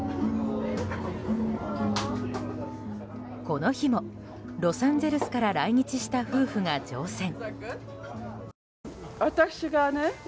この日も、ロサンゼルスから来日した夫婦が乗船。